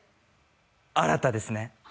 新太ですね